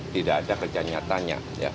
tidak ada kerja nyatanya